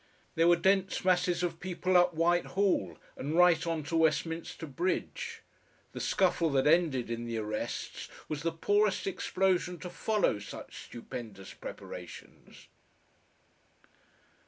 There were dense masses of people up Whitehall, and right on to Westminster Bridge. The scuffle that ended in the arrests was the poorest explosion to follow such stupendous preparations....